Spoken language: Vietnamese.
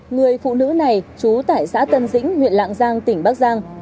người phụ nữ này trú tại xã tân dĩnh huyện lạng giang tỉnh bắc giang